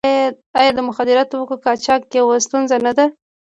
آیا د مخدره توکو قاچاق یوه ستونزه نه ده؟